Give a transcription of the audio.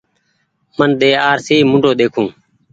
من ۮي آرسي موُڍو ۮيکون